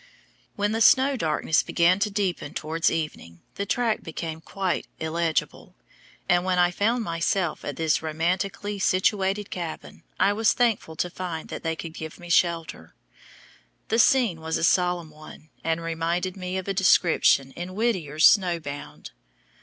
When the snow darkness began to deepen towards evening, the track became quite illegible, and when I found myself at this romantically situated cabin, I was thankful to find that they could give me shelter. The scene was a solemn one, and reminded me of a description in Whittier's Snow Bound.